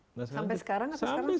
sampai sekarang atau sekarang